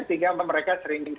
sehingga mereka seringkali merugi